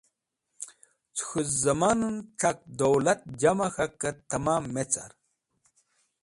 Cẽ k̃hũ zẽmanẽn c̃hak dowlat jama k̃hakẽ tẽma me carit.